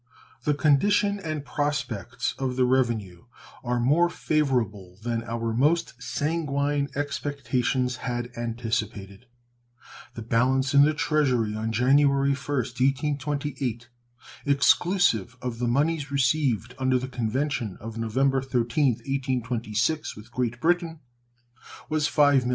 The condition and prospects of the revenue are more favorable than our most sanguine expectations had anticipated. The balance in the Treasury on January 1st, 1828, exclusive of the moneys received under the convention of November 13th, 1826, with Great Britain, was $5,861,972.